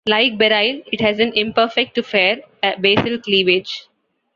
Like beryl, it has an imperfect to fair basal cleavage.